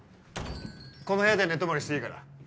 この部屋で寝泊まりしていいから。